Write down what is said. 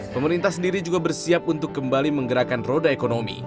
pemerintah sendiri juga bersiap untuk kembali menggerakkan roda ekonomi